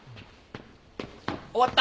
終わった？